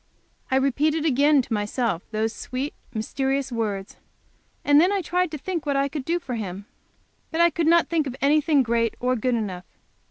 I repeated again to myself those sweet, mysterious words, and then I tried to think what I could do for Him. But I could not think of anything great or good enough.